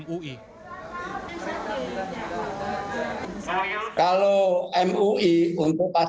jika vaksin yang disediakan oleh pemerintah sudah memiliki fatwa halal dari mui